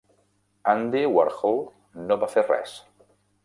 Andy Warhol no va fer res.